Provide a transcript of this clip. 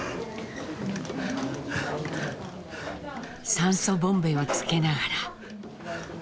酸素ボンベをつけながら。